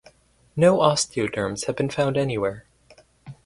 No osteoderms have been found anywhere.